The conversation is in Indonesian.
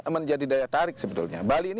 menjadi daya tarik sebetulnya bali ini